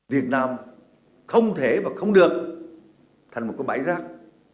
việt nam không thể và không được thành một cái bãi rác